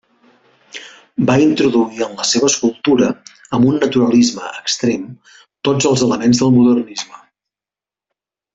Va introduir en la seva escultura, amb un naturalisme extrem, tots els elements del modernisme.